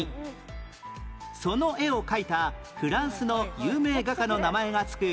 その絵を描いたフランスの有名画家の名前が付く